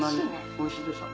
おいしいでしょ？